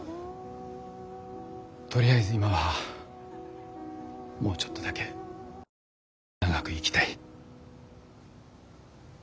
とりあえず今はもうちょっとだけ長く生きたい。